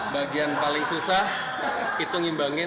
bagian paling susah hitungi bangin